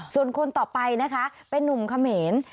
ส่วนคนต่อไปนะคะเป็นนุ่มเขมร